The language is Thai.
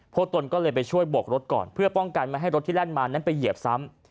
ตนก็เลยไปช่วยบกรถก่อนเพื่อป้องกันไม่ให้รถที่แล่นมานั้นไปเหยียบซ้ำ